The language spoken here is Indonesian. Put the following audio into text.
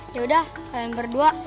ya udah kalian berdua